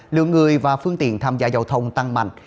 lượng người và phương tiện tham gia giao thông tăng mạnh